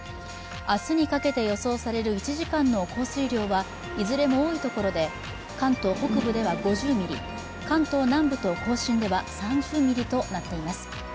明日にかけて予想される１時間の降水量はいずれも多いところで関東北部では５０ミリ、関東南部と甲信では３０ミリとなっています。